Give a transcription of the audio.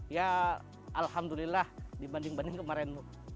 ya alhamdulillah dibanding banding kemarin